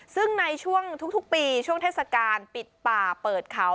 ซึ่งในช่วงทุกปีช่วงเทศกาลปิดป่าเปิดเขา